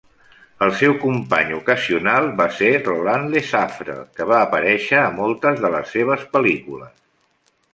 El seu company ocasional va ser Roland Lesaffre, que va aparèixer a moltes de les seves pel·lícules.